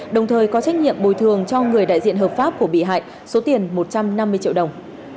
đồng thời có trách nhiệm bồi thường cho người đại diện hợp pháp của bị hại số tiền một trăm năm mươi triệu đồng